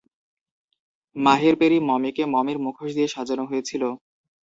মাহেরপেরি মমিকে মমির মুখোশ দিয়ে সাজানো হয়েছিল।